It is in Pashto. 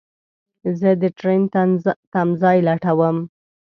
زه دټرين تم ځای لټوم